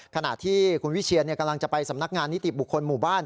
ขณะที่คุณวิเชียนกำลังจะไปสำนักงานนิติบุคคลหมู่บ้าน